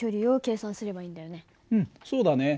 うんそうだね。